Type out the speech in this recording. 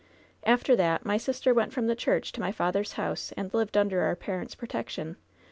"After that my sister went from the church to my father's house, and lived under our parents' protection.